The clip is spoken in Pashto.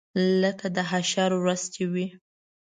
لکه د حشر ورځ چې وي.